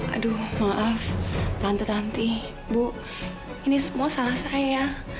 aduh maaf tante ranti bu ini semua salah saya